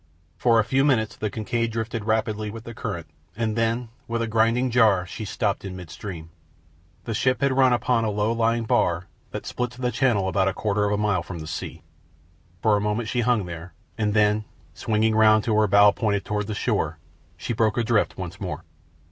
For a few minutes the Kincaid drifted rapidly with the current, and then, with a grinding jar, she stopped in midstream. The ship had run upon a low lying bar that splits the channel about a quarter of a mile from the sea. For a moment she hung there, and then, swinging round until her bow pointed toward the shore, she broke adrift once more.